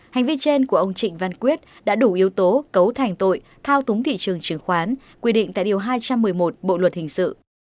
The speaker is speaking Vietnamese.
hành vi trên của ông trịnh văn quyết đã đủ yếu tố cấu thành tội thao túng thị trường chứng khoán quy định tại điều hai trăm một mươi một bộ luật hình sự